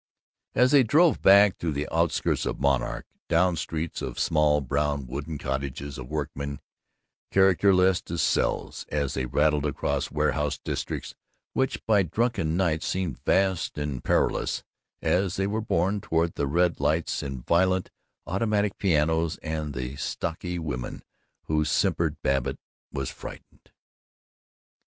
As they drove back through the outskirts of Monarch, down streets of small brown wooden cottages of workmen, characterless as cells, as they rattled across warehouse districts which by drunken night seemed vast and perilous, as they were borne toward the red lights and violent automatic pianos and the stocky women who simpered, Babbitt was frightened.